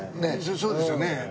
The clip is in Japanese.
そうですよね。